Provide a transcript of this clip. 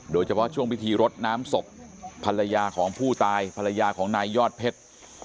โดยเฉพาะช่วงพิธีรดน้ำศพภรรยาของผู้ตายภรรยาของนายยอดเพชร